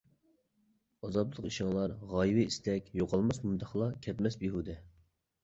ئازابلىق ئىشىڭلار، غايىۋى ئىستەك، يوقالماس مۇنداقلا، كەتمەس بىھۇدە.